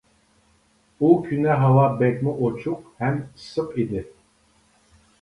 ئۇ كۈنى ھاۋا بەكمۇ ئۇچۇق ھەم ئىسسىق ئىدى.